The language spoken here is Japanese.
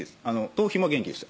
頭皮も元気でした